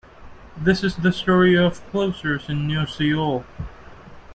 This is the story of Closers in New Seoul.